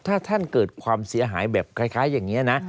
ถ้าท่านเกิดความเสียหายแบบคล้ายอย่างนี้นะ